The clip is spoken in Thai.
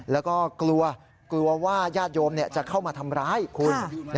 แล้วก็กลัวกลัวว่าญาติโยมจะเข้ามาทำร้ายคุณ